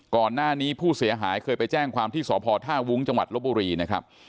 ก่อนหน้านี้ผู้เสียหายเคยไปแจ้งความที่สพท่าวุ้งจังหวัดลบบุรีนะครับ